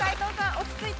落ち着いて。